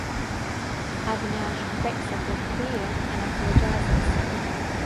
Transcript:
Avinash breaks up with Priya and apologises.